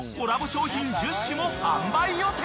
商品１０種も販売予定］